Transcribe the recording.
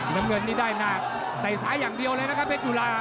น้ำเงินนี้ได้นักแต่ใส่อย่างเดียวเลยนะคะเพชจุลา